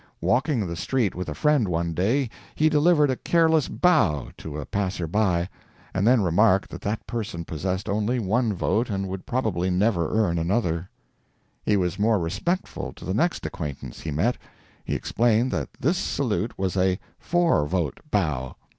Walking the street with a friend one day he delivered a careless bow to a passer by, and then remarked that that person possessed only one vote and would probably never earn another; he was more respectful to the next acquaintance he met; he explained that this salute was a four vote bow.